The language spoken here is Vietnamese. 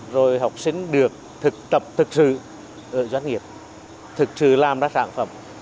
rồi học sinh được thực tập thực sự ở doanh nghiệp thực sự làm ra sản phẩm